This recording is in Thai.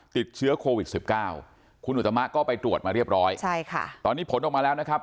ติดเชื้อโควิดสิบเก้าคุณอุตมะก็ไปตรวจมาเรียบร้อยใช่ค่ะตอนนี้ผลออกมาแล้วนะครับ